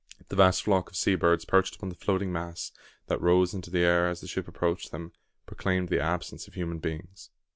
The vast flock of sea birds perched upon the floating mass, and that rose into the air as the ship approached them, proclaimed the absence of human beings.